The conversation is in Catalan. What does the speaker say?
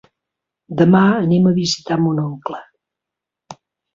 Demà anem a visitar mon oncle.